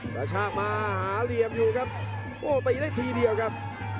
กระชากมาหาเหลี่ยมอยู่โอ้วตีละทีเดียวกับ